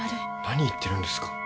何言ってるんですか。